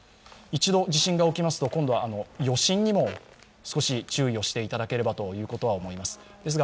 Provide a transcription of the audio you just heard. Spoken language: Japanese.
一度、地震が起きますと今度は余震にも少し注意していただければと思います。